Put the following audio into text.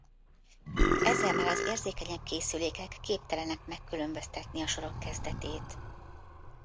Ezzel már az érzékenyebb készülékek képtelenek megkülönböztetni a sorok kezdetét.